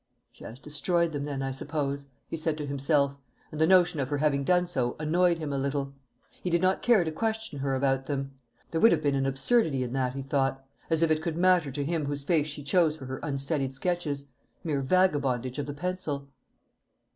"She has destroyed them, I suppose," he said to himself; and the notion of her having done so annoyed him a little. He did not care to question her about them. There would have been an absurdity in that, he thought: as if it could matter to him whose face she chose for her unstudied sketches mere vagabondage of the pencil.